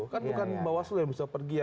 kan bukan bawaslu yang bisa pergi ya